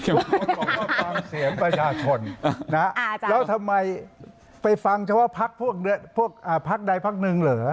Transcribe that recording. คุณบอกว่าฟังเสียงประชาชนแล้วทำไมไปฟังชาวภัคพรุ่งพรุ่งใดพรุ่งหนึ่งเหรอ